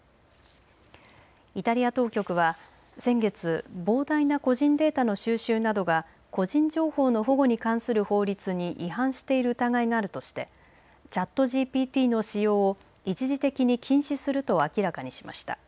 イタリア当局は先月、膨大な個人データの収集などが個人情報の保護に関する法律に違反している疑いがあるとしてＣｈａｔＧＰＴの使用を一時的に禁止すると明らかにしました。